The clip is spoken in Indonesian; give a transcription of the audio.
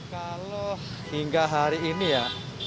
kalau hingga hari ini ya